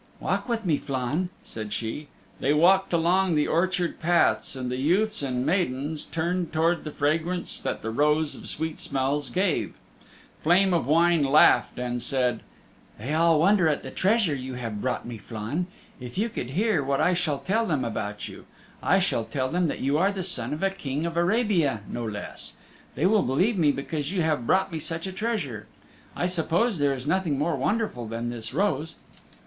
"Walk with me, Flann," said she. They walked along the orchard paths, and the youths and maidens turned towards the fragrance that the Rose of Sweet Smells gave. Flame of Wine laughed, and said, "They all wonder at the treasure you have brought me, Flann. If you could hear what I shall tell them about you! I shall tell them that you are the son of a King of Arabia no less. They will believe me because you have brought me such a treasure! I suppose there is nothing more wonderful than this rose!"